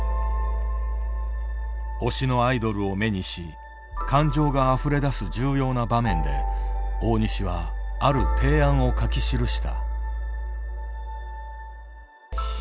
推しのアイドルを目にし感情があふれだす重要な場面で大西はある提案を書き記した。